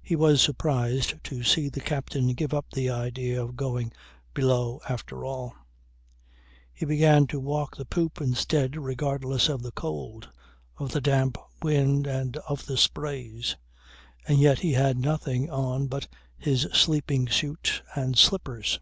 He was surprised to see the captain give up the idea of going below after all. He began to walk the poop instead regardless of the cold, of the damp wind and of the sprays. And yet he had nothing on but his sleeping suit and slippers.